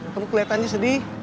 kamu keliatannya sedih